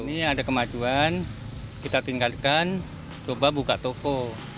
ini ada kemajuan kita tinggalkan coba buka toko